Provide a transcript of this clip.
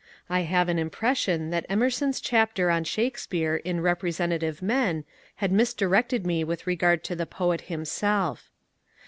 I have an impression that Emerson's chapter on Shakespeare in ^ Representative Men " had misdirected me with regard to the poet himself.